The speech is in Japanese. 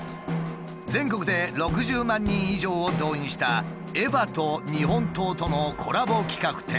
全国で６０万人以上を動員した「エヴァ」と日本刀とのコラボ企画展。